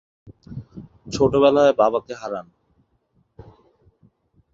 ছোটবেলায় বাবাকে হারান।